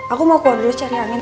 aku mau keluar dulu cari amin